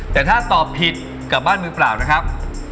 แต่ถ้าตอบผิดกลับบ้านมือเปล่านะครับ